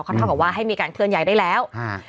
คำถามกับว่าให้มีการเคลื่อนย้ายได้แล้ว